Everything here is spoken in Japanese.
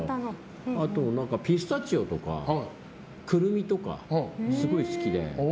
あと、ピスタチオとかクルミとかすごい好きで。